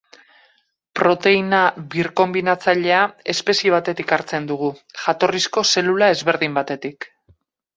Proteina birkonbinatzailea espezie batetik hartzen dugu, jatorrizko zelula ezberdin batetik.